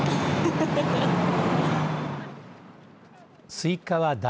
スイカはだ